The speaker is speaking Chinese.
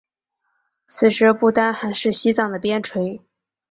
此时不丹还是西藏的边陲。